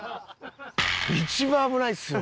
一番危ないっすよ。